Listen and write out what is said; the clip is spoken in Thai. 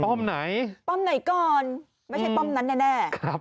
ป้อมไหนป้อมไหนก่อนไม่ใช่ป้อมนั้นแน่